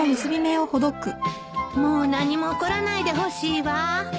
もう何も起こらないでほしいわ。